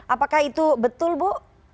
apakah itu betul bu